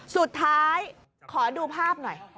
สุดท้ายขอดูภาพหน่อย